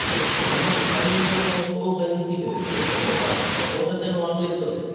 まず排尿の障害についてですけれども放射線を当てるとですね